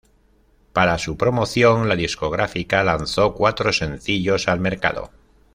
Para su promoción, la discográfica lanzó cuatro sencillos al mercado.